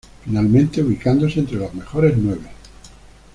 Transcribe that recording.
Finalmente ubicándose entre los mejores nueve.